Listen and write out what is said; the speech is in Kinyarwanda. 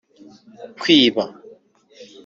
kwiba